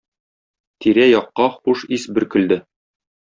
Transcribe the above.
Тирә-якка хуш ис бөркелде.